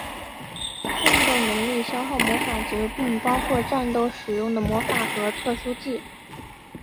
战斗能力消耗魔法值并包括战斗使用的魔法和特殊技。